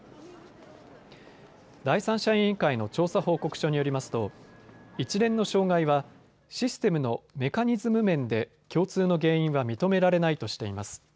第三者委員会の調査報告書によりますと一連の障害はシステムのメカニズム面で共通の原因は認められないとしています。